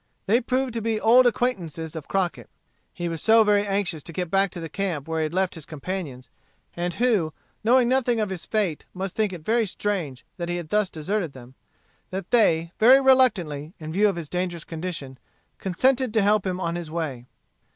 They proved to be old acquaintances of Crockett. He was so very anxious to get back to the camp where he had left his companions, and who, knowing nothing of his fate, must think it very strange that he had thus deserted them, that they, very reluctantly, in view of his dangerous condition, consented to help him on his way.